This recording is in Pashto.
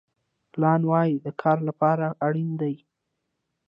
پلان ولې د کار لپاره اړین دی؟